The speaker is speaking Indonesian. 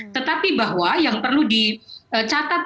tetapi bahwa yang perlu dicatat